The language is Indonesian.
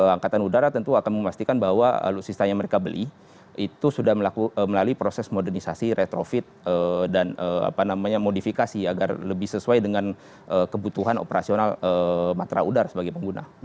angkatan udara tentu akan memastikan bahwa alutsista yang mereka beli itu sudah melalui proses modernisasi retrofit dan modifikasi agar lebih sesuai dengan kebutuhan operasional matra udara sebagai pengguna